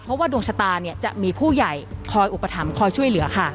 เพราะว่าดวงชะตาเนี่ยจะมีผู้ใหญ่คอยอุปถัมภ์คอยช่วยเหลือค่ะ